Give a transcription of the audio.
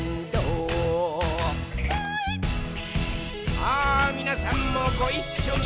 さあ、みなさんもごいっしょに！